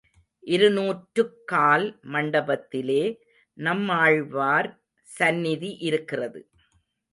இந்நூற்றுக்கால் மண்டபத்திலே நம்மாழ்வார் சந்நிதி இருக்கிறது.